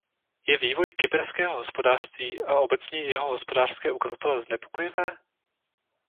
Je vývoj kyperského hospodářství a obecněji jeho hospodářské ukazatele znepokojivé?